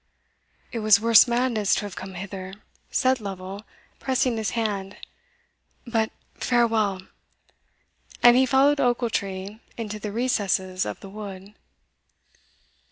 "It was worse madness to have come hither," said Lovel, pressing his hand "But farewell!" And he followed Ochiltree into the recesses of the wood.